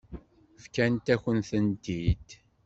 Fkant-akent-tent-id.